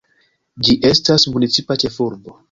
Ĝi estas municipa ĉefurbo.